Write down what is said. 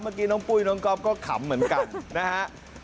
เมื่อกี้น้องปุ้ยน้องก๊อฟก็ขำเหมือนกันนะฮะ